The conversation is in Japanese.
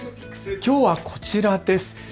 きょうはこちらです。